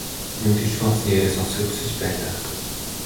Мөн телефон утасны яриаг сонсохыг хүсэж байлаа.